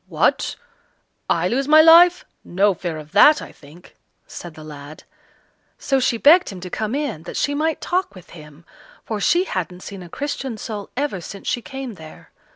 "What! I lose my life! No fear of that, I think," said the lad. So she begged him to come in, that she might talk with him, for she hadn't seen a Christian soul ever since she came there.